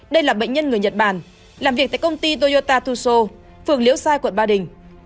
đây là bệnh nhân người nhật bản làm việc tại công ty toyota tuso phường liễu sai quận ba đình